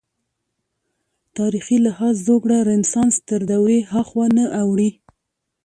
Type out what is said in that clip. تاریخي لحاظ زوکړه رنسانس تر دورې هاخوا نه اوړي.